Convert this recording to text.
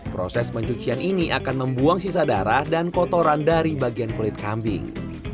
proses pencucian ini akan membuang sisa darah dan kotoran dari bagian kulit kambing